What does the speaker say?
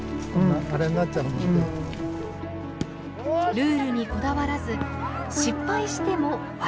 ルールにこだわらず失敗しても笑い飛ばす。